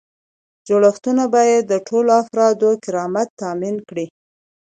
جوړښتونه باید د ټولو افرادو کرامت تامین کړي.